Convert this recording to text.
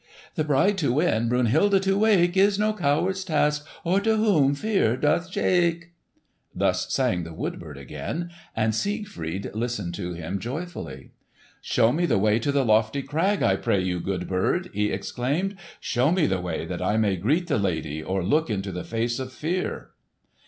"The bride to win, Brunhilde to wake, Is no coward's task, Or whom fear doth shake." Thus sang the wood bird again, and Siegfried listened to him joyfully. "Show me the way to the lofty crag, I pray you, good bird!" he exclaimed. "Show me the way, that I may greet the lady or look into the face of fear!"